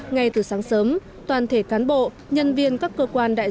ngay từ sáng sớm toàn thể cán bộ nhân viên các cơ quan đại diện